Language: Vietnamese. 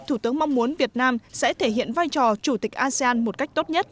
thủ tướng mong muốn việt nam sẽ thể hiện vai trò chủ tịch asean một cách tốt nhất